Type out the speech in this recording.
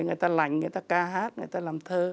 người ta lành người ta ca hát người ta làm thơ